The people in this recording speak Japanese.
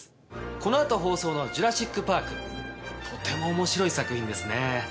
この後放送の『ジュラシック・パーク』とても面白い作品ですね。